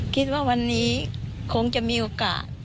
คิดว่าวันนี้คงจะมีโอกาส